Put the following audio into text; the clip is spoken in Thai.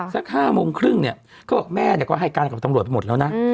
สัก๕โมงครึ่งเนี่ยเขาบอกแม่ก็ให้การกับตำรวจไปหมดแล้วนะ